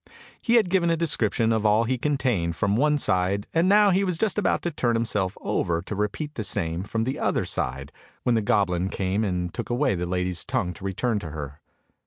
He had given a description of all he contained from one side, and now he was just about to turn himself over to repeat the same from the other side, when the goblin came and took away the lady's tongue to return it to her.